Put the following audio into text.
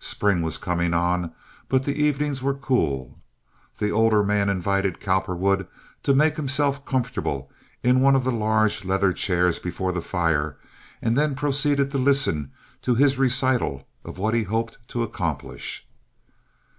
Spring was coming on, but the evenings were cool. The older man invited Cowperwood to make himself comfortable in one of the large leather chairs before the fire and then proceeded to listen to his recital of what he hoped to accomplish.